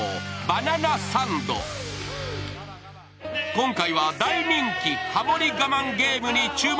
今回は、大人気「ハモリ我慢ゲーム」に注目。